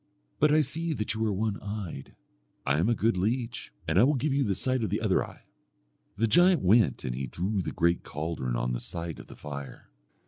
But I see that you are one eyed. I am a good leech, and I will give you the sight of the other eye.' The giant went and he drew the great caldron on the site of the fire.